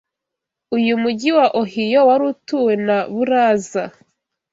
Uyu mujyi wa Ohiyo wari utuwe na buraza